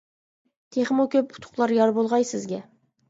تېخىمۇ كۆپ ئۇتۇقلار يار بولغاي سىزگە!